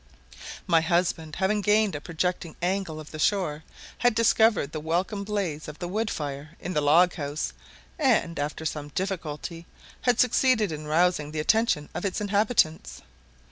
My husband having gained a projecting angle of the shore, had discovered the welcome blaze of the wood fire in the log house, and, after some difficulty, had succeeded in rousing the attention of its inhabitants.